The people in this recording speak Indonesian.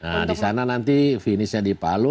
nah di sana nanti finishnya di palu